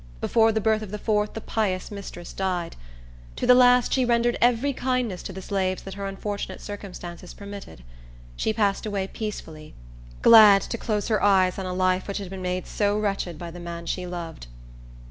Before the birth of the fourth the pious mistress died. To the last, she rendered every kindness to the slaves that her unfortunate circumstances permitted. She passed away peacefully, glad to close her eyes on a life which had been made so wretched by the man she loved.